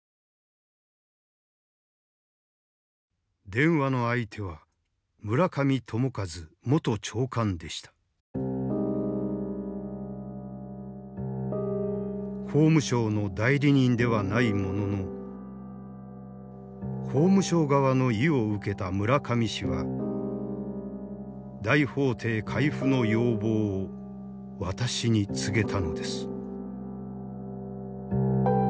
電話の相手は村上朝一元長官でした法務省の代理人ではないものの法務省側の意を受けた村上氏は大法廷回付の要望を私に告げたのです